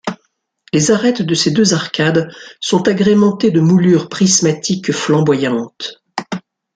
Les arêtes de ces deux arcades sont agrémentées de moulures prismatiques flamboyantes.